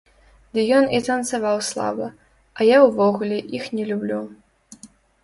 Ды ён і танцаваў слаба, а я ўвогуле іх не люблю.